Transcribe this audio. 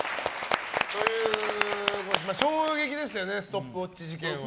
衝撃でしたよねストップウォッチ事件は。